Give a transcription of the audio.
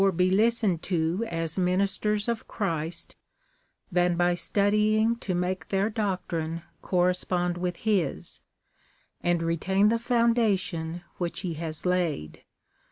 135 be listened to as ministers of Christ, than by studying to make their doctrine correspond with his, and retain the foundation which he has laid.